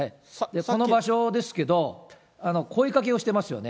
この場所ですけど、声かけをしてますよね。